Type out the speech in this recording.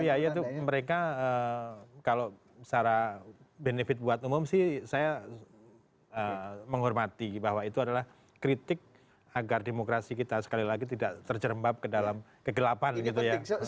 iya itu mereka kalau secara benefit buat umum sih saya menghormati bahwa itu adalah kritik agar demokrasi kita sekali lagi tidak terjerembab ke dalam kegelapan gitu ya